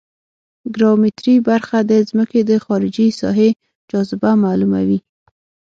ګراومتري برخه د ځمکې د خارجي ساحې جاذبه معلوموي